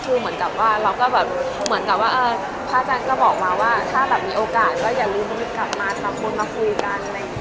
ก็คือเหมือนกับว่าเราก็แบบพระอาจารย์ก็บอกมาว่าถ้าแบบมีโอกาสก็อย่าลืมกลับมาสัมบูรณ์มาคุยกัน